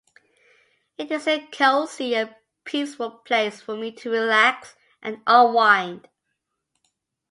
It is a cozy and peaceful place for me to relax and unwind.